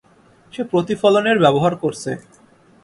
সে প্রতিফলনের ব্যবহার করছে।